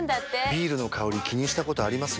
ビールの香り気にしたことあります？